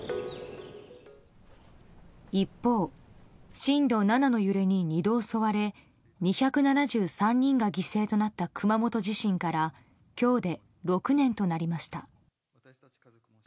一方震度７の揺れに２度襲われ２７３人が犠牲となった熊本地震から今日で６年となりました。